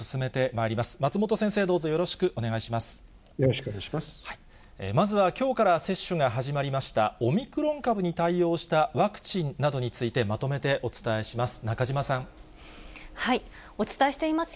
まずはきょうから接種が始まりました、オミクロン株に対応したワクチンなどについて、まとめてお伝えします。